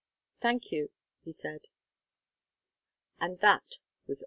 "Thank you," he said. And that was all.